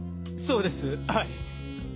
そうですはい。